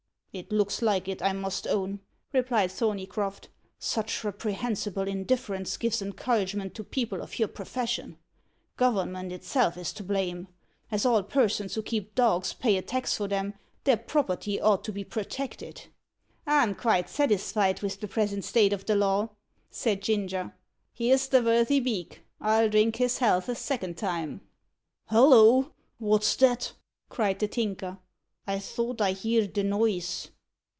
"It looks like it, I must own," replied Thorneycroft. "Such reprehensible indifference gives encouragement to people of your profession. Government itself is to blame. As all persons who keep dogs pay a tax for them, their property ought to be protected." "I'm quite satisfied vith the present state of the law," said Ginger; "here's the vorthy beak! I'll drink his health a second time." "Halloa! wot's that?" cried the Tinker; "I thought I heerd a noise."